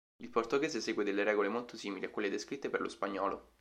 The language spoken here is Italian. Il portoghese segue delle regole molto simili a quelle descritte per lo spagnolo.